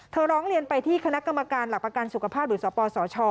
ร้องเรียนไปที่คณะกรรมการหลักประกันสุขภาพหรือสปสช